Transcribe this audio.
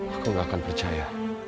aku gak akan percaya